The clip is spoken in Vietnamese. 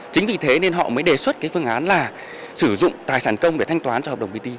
chính vì thế nên họ mới đề xuất cái phương án là sử dụng tài sản công để thanh toán cho hợp đồng bt